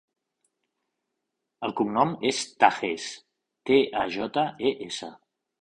El cognom és Tajes: te, a, jota, e, essa.